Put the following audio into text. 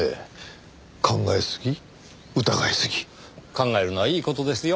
考えるのはいい事ですよ。